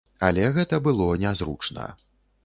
Але гэта было нязручна.